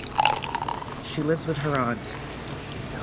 She lives with her aunt.